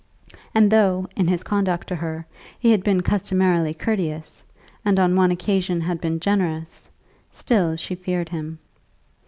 And though, in his conduct to her, he had been customarily courteous, and on one occasion had been generous, still she feared him.